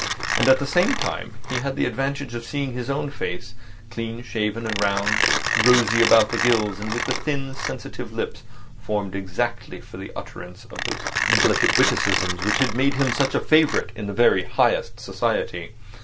And at the same time he had the advantage of seeing his own face, clean shaved and round, rosy about the gills, and with the thin sensitive lips formed exactly for the utterance of those delicate witticisms which had made him such a favourite in the very highest society.